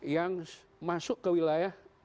yang masuk ke wilayah